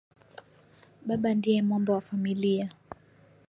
Baba ndiye mwamba wa familia